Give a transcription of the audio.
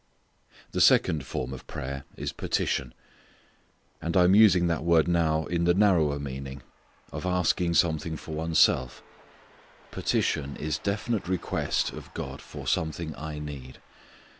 _ The second form of prayer is petition. And I am using that word now in the narrower meaning of asking something for one's self. Petition is definite request of God for something I need.